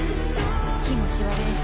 気持ち悪い。